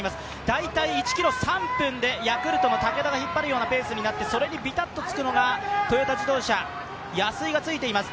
大体１ｋｍ、３分でヤクルトの武田が引っ張るような形になっていて、それにビタッとつくのがトヨタ自動車、安井がついています。